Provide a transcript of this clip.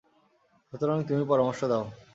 সুতরাং তুমি পরামর্শ দাও।